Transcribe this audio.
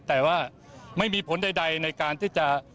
แต่ว่าไม่มีผลใดในการที่จะ